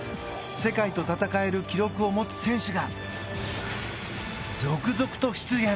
世界と戦える記録を持つ選手が続々と出現。